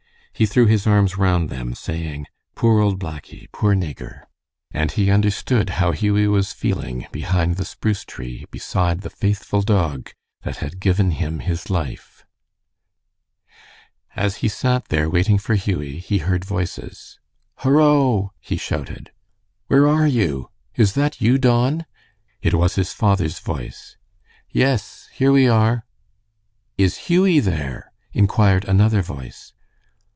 He threw his arms round them, saying, "Poor old Blackie! Poor Nigger!" and he understood how Hughie was feeling behind the spruce tree beside the faithful dog that had given him his life. As he sat there waiting for Hughie, he heard voices. "Horo!" he shouted. "Where are you? Is that you, Don?" It was his father's voice. "Yes, here we are." "Is Hughie there?" inquired another voice.